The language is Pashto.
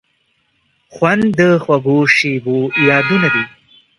خوند د خوږو شیبو یادونه دي.